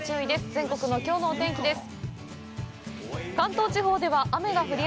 全国のきょうのお天気です。